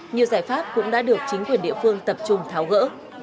nhiều giải pháp cũng đã được chính quyền địa phương tập trung tháo gỡ